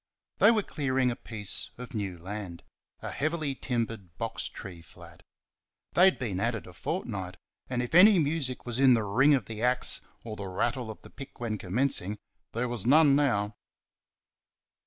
They were clearing a piece of new land a heavily timbered box tree flat. They had been at it a fortnight, and if any music was in the ring of the axe or the rattle of the pick when commencing, there was none now.